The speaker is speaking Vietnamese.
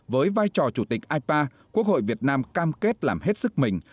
với vai trò chủ tịch ipa quốc hội việt nam cam kết làm hết sức mình